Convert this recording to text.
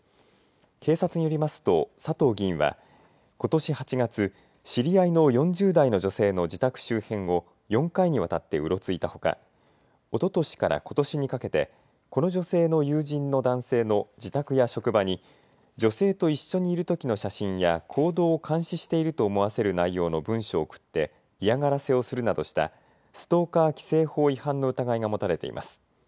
警察によりますと佐藤議員はことし８月、知り合いの４０代の女性の自宅周辺を４回にわたってうろついたほかおととしからことしにかけてこの女性の友人の男性の自宅や職場に女性と一緒にいるときの写真や行動を監視していると思わせる内容の文書を送って嫌がらせをするなどしたストーカー規制法違反の疑いが持たれています。